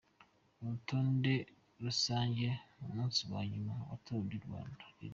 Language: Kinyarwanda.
Urutonde rusange ku munsi wa nyuma wa Tour du Rwanda ni uru